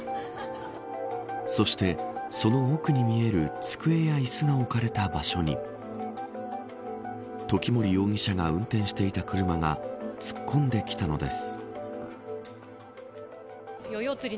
そして、その奥に見える机や椅子が置かれた場所に時森容疑者が運転していた車が突っ込んできたのです。